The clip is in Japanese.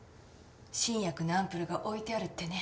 新薬のアンプルが置いてあるってね。